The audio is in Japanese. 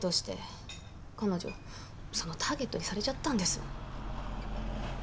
彼女そのターゲットにされちゃったんです。